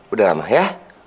udah lama ya